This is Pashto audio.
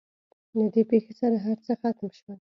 له دې پېښې سره هر څه ختم شول.